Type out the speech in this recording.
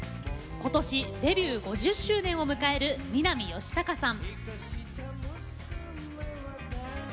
今年デビュー５０周年を迎える南佳孝さん。